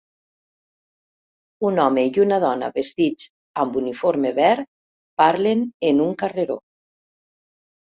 Un home i una dona vestits amb uniforme verd parlen en un carreró.